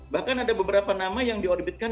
bahkan ada beberapa nama yang diorbitkan